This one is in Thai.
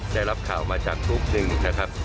ได้รับข่าวมาจากกรุ๊ปหนึ่งนะครับ